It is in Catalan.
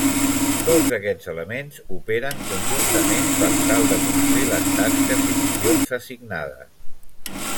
Tots aquests elements operen conjuntament per tal de complir les tasques i missions assignades.